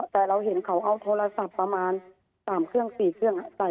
แต่เราเห็นเขาเอาโทรศัพท์ประมาณ๓เครื่อง๔เครื่องใส่